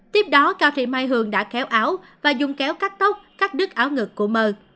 tiếp đó cao thị mai hường đã kéo áo và dùng kéo cắt tóc cắt đứt áo ngực của mơ